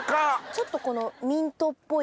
ちょっとこの。